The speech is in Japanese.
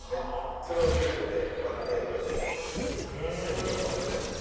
それをミルクで割って私はいつも飲んでおります。